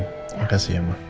terima kasih ya ma